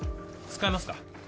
使いますか？